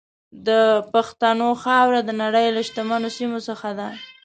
د پښتنو خاوره د نړۍ له شتمنو سیمو څخه ده.